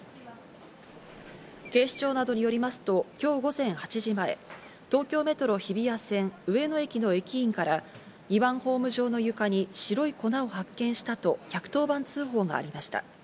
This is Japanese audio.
警視庁などによりますと今日午前８時前、東京メトロ日比谷線・上野駅の駅員から２番ホーム上の床に白い粉を発見したと１１０番通報がありました。